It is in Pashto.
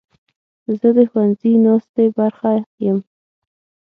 زه د ښوونځي ناستې برخه یم.